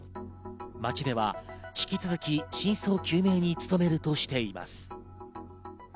町では引き続き真相究明に努めるとしています。